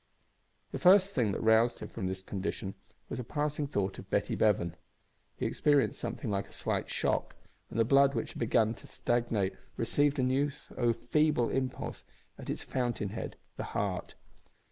The first thing that roused him from this condition was a passing thought of Betty Bevan. He experienced something like a slight shock, and the blood which had begun to stagnate received a new though feeble impulse at its fountain head, the heart.